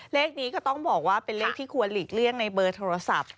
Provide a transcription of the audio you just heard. เลขนี้ก็ต้องบอกว่าเป็นเลขที่ควรหลีกเลี่ยงในเบอร์โทรศัพท์